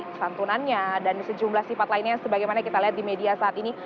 kesantunannya dan sejumlah sifat lainnya sebagaimana kita lihat di media saat ini